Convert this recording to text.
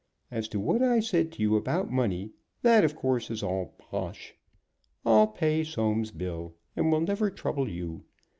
As to what I said to you about money, that, of course, is all bosh. I'll pay Soames's bill, and will never trouble you.